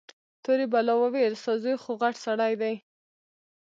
تورې بلا وويل ستا زوى خوغټ سړى دى.